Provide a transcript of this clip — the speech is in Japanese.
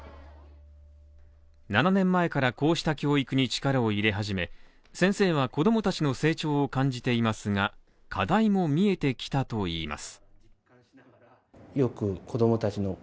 ７年前からこうした教育に力を入れ始め、先生は子供たちの成長を感じていますが、課題も見えてきたといいます。